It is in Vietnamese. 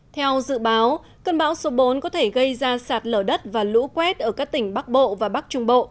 theo dự báo cơn bão số bốn có thể gây ra sạt lở đất và lũ quét ở các tỉnh bắc bộ và bắc trung bộ